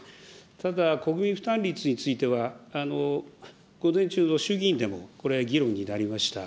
ただ、国民負担率については、午前中の衆議院でも、これ、議論になりました。